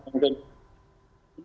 itu bisa terangkat di sini